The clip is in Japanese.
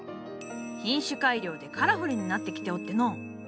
品種改良でカラフルになってきておっての。